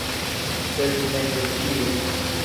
Sed ne nur tiuj.